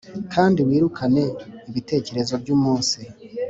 kandi wirukane ibitekerezo byumunsi.